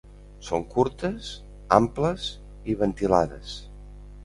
Són curtes, amples i ventilades.